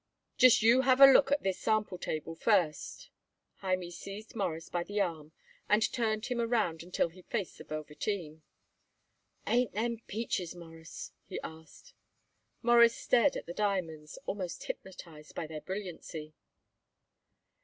"Just you have a look at this sample table first." Hymie seized Morris by the arm and turned him around until he faced the velveteen. "Ain't them peaches, Mawruss?" he asked. Morris stared at the diamonds, almost hypnotized by their brilliancy.